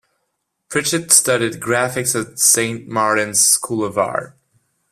Pritchett studied graphics at Saint Martin's School of Art.